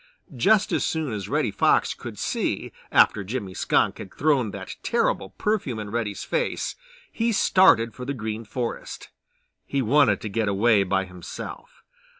Just as soon as Reddy Fox could see after Jimmy Skunk had thrown that terrible perfume in Reddy's face he started for the Green Forest. He wanted to get away by himself.